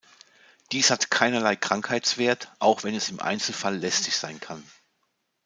Dies hat keinerlei Krankheitswert, auch wenn es im Einzelfall lästig sein kann.